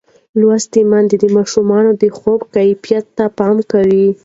لوستې میندې د ماشومانو د خوب کیفیت ته پام کوي.